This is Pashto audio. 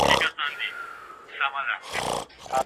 خپل ژوند په خطر کې مه اچوئ.